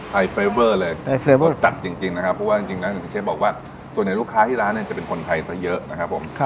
เฟรเวอร์เลยจัดจริงนะครับเพราะว่าจริงแล้วอย่างที่เชฟบอกว่าส่วนใหญ่ลูกค้าที่ร้านเนี่ยจะเป็นคนไทยซะเยอะนะครับผม